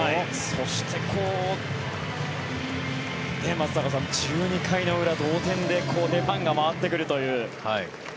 そして、松坂さん１２回の裏、同点で出番が回ってくるという。